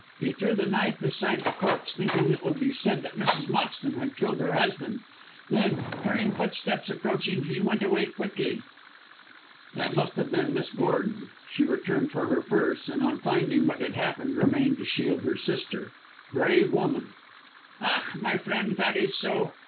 He threw the knife beside the corpse, thinking it would be said that Mrs. Moxton had killed her husband. Then, hearing footsteps approaching, he went away quickly." "That must have been Miss Gordon. She returned for her purse, and on finding what had happened, remained to shield her sister. Brave woman!" "Ach! my friend, that is so.